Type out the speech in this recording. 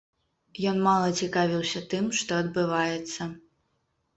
Ён мала цікавіўся тым, што адбываецца.